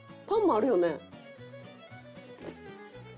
パンもあるよね？